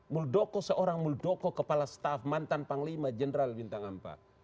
muldoko seorang muldoko kepala staff mantan panglima jenderal bintang ampa